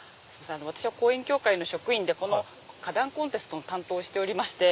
私は公園協会の職員で花壇コンテストの担当をしております。